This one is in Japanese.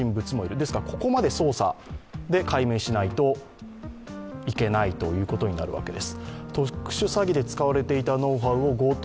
ですからここまで捜査で解明しないといけないということになるわけです。